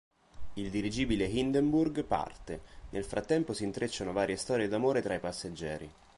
Il dirigibile Hindenburg parte, nel frattempo si intrecciano varie storie d'amore tra i passeggeri.